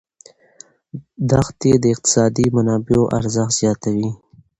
دښتې د اقتصادي منابعو ارزښت زیاتوي.